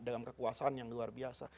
dalam kekuasaan yang luar biasa